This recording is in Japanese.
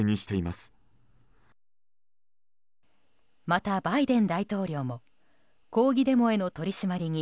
またバイデン大統領も抗議デモへの取り締まりに